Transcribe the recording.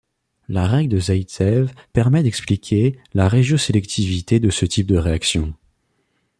La règle de Zaïtsev permet d'expliquer la régiosélectivité de ce type de réaction.